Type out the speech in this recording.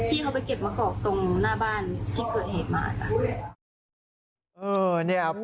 ที่เขาไปเก็บมะกอกตรงหน้าบ้านที่เกิดเหตุมาจ้ะ